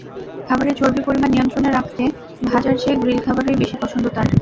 খাবারে চর্বি পরিমাণ নিয়ন্ত্রণে রাখতে ভাজার চেয়ে গ্রিল খাবারই বেশি পছন্দ তাঁর।